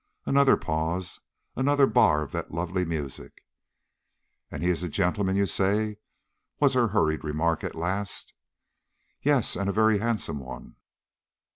Another pause; another bar of that lovely music. "And he is a gentleman, you say?" was her hurried remark at last. "Yes, and a very handsome one."